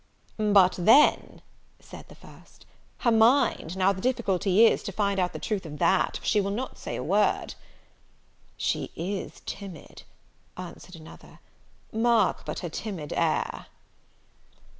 "But then," said the first, "her mind, now the difficulty is, to find out the truth of that, for she will not say a word." "She is timid," answered another; "mark but her timid air."